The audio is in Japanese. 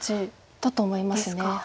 だと思います。